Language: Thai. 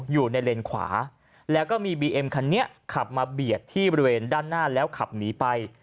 เลนขวาแล้วก็มีบีเอ็มคันนี้ขับมาเบียดที่บริเวณด้านหน้าแล้วขับหนีไป